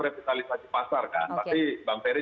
revitalisasi pasar kan tapi bang ferry